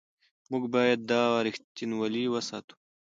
موږ باید دا رښتینولي وساتو.